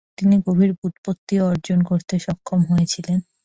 তিনি গভীর বুপত্তিও অর্জন করতে সক্ষম হয়েছিলেন।